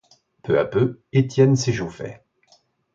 Peu à peu, Étienne s'échauffait.